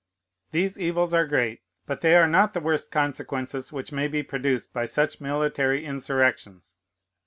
"These evils are great; but they are not the worst consequences which may be produced by such military insurrections.